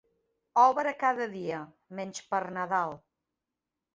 Obre cada dia, menys per Nadal.